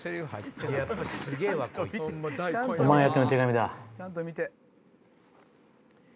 ちゃんと見て。